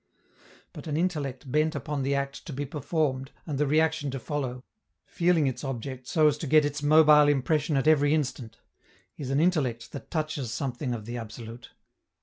But an intellect bent upon the act to be performed and the reaction to follow, feeling its object so as to get its mobile impression at every instant, is an intellect that touches something of the absolute.